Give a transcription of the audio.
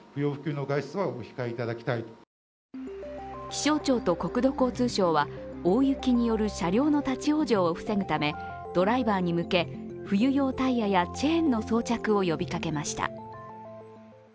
気象庁と国土交通省は大雪による車両の立往生を防ぐためドライバーに向け、冬用タイヤやチェーンの装着を呼びかけました。